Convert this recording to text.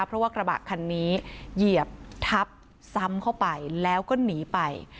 เพราะว่ากระบะคันนี้เหยียบทับซ้ำเข้าไปแล้วก็หนีไป